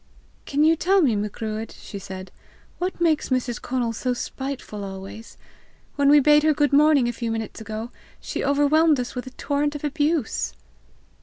"Can you tell me, Macruadh," she said, "what makes Mrs. Conal so spiteful always? When we bade her good morning a few minutes ago, she overwhelmed us with a torrent of abuse!"